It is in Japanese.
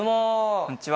こんにちは。